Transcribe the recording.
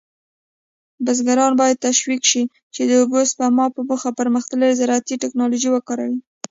بزګران باید تشویق شي چې د اوبو سپما په موخه پرمختللې زراعتي تکنالوژي وکاروي.